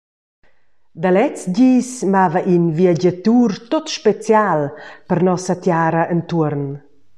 Da lezs dis mava in viagiatur tut special per nossa tiara entuorn.